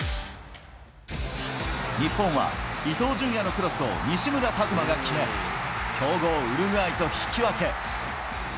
日本は伊東純也のクロスを西村拓真が決め、強豪ウルグアイと引き分け。